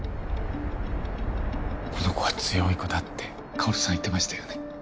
この子は強い子だって薫さん言ってましたよね